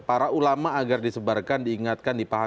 para ulama agar disebarkan diingatkan dipahami